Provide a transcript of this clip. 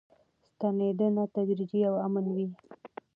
ستنېدنه تدریجي او امن وي.